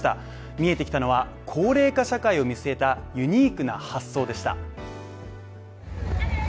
見えてきたのは、高齢化社会を見据えたユニークな発想でした。